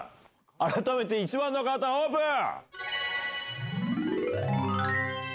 改めて１番の方オープン！